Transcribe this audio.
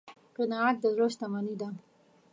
قناعت د زړه شتمني ده.